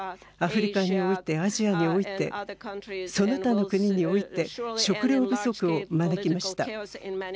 アフリカにおいてアジアにおいてその他の国において食糧不足を招きました。